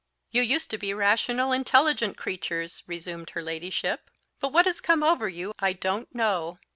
"You used to be rational, intelligent creatures," resumed her ladyship; "but what has come over you, I don't know.